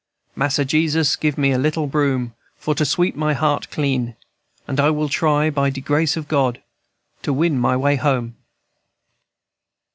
Massa Jesus give me a little broom For to sweep my heart clean, And I will try, by de grace of God, To win my way home."